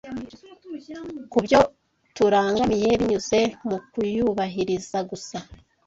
ku byo turangamiye binyuze mu kuyubahiriza gusa